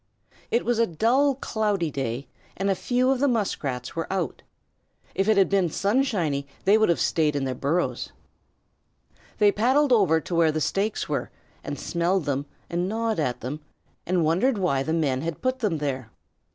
It was a dull, cloudy day and a few of the Muskrats were out. If it had been sunshiny they would have stayed in their burrows. They paddled over to where the stakes were, and smelled of them and gnawed at them, and wondered why the men had put them there.